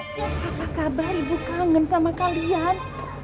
ces apa kabar ibu kangen sama kalian